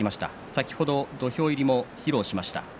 先ほど土俵入りも披露しました。